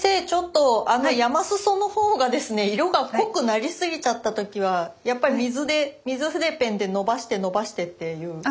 ちょっと山裾の方がですね色が濃くなりすぎちゃった時はやっぱり水で水筆ペンでのばしてのばしてっていう？